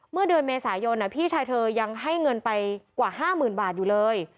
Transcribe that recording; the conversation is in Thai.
เมื่อเดือนเมษายนพี่ชายเธอยังให้เงินไปกว่า๕๐๐๐บาทอยู่เลย